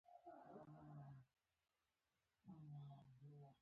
قناعت کول لویه خزانه ده